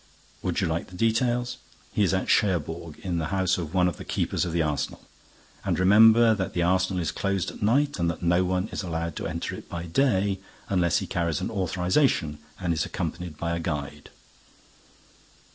Would you like details? He is at Cherbourg, in the house of one of the keepers of the arsenal. And remember that the arsenal is closed at night and that no one is allowed to enter it by day, unless he carries an authorization and is accompanied by a guide."